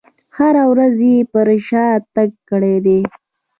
هره ورځ یې پر شا تګ کړی دی.